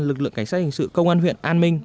lực lượng cảnh sát hình sự công an huyện an minh